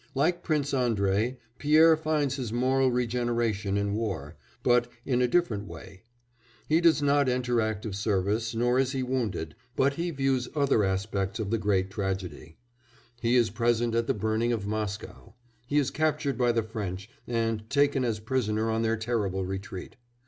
Like Prince Andrei, Pierre finds his moral regeneration in war, but in a different way; he does not enter active service nor is he wounded, but he views other aspects of the great tragedy; he is present at the burning of Moscow, he is captured by the French, and taken as prisoner on their terrible retreat.